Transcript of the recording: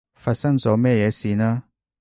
發生咗咩嘢事呢？